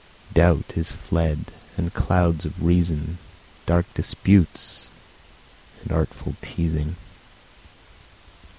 Doubt is fled, and clouds of reason, Dark disputes and artful teazing.